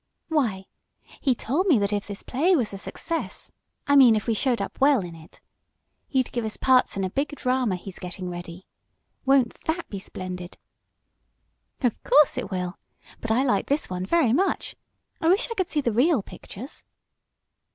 "Why, he told me that if this play was a success I mean if we showed up well in it he'd give us parts in a big drama he's getting ready. Won't that be splendid?" "Of course it will. But I liked this one very much. I wish I could see the real pictures."